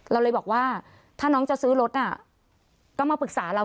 เราเลยบอกว่าถ้าน้องจะซื้อรถน่ะก็มาปรึกษาเรา